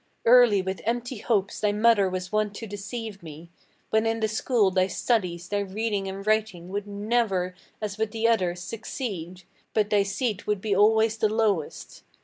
Early with empty hopes thy mother was wont to deceive me, When in the school thy studies, thy reading and writing, would never As with the others succeed, but thy seat would be always the lowest.